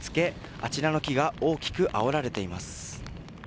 あちらの木が大きくあおられています。